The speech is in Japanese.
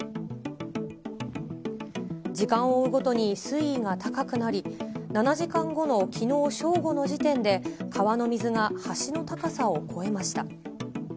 時間を追うごとに水位が高くなり、７時間後のきのう正午の時点で川の水が橋の高さを超えました。